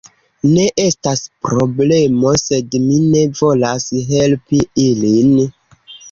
Ne estas problemo. Sed mi ne volas helpi ilin.